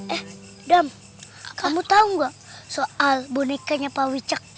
eh adam kamu tahu nggak soal bonekanya pawicak